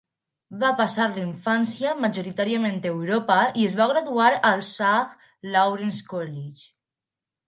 Va passar la infància majoritàriament a Europa i es va graduar al Sarah Lawrence College.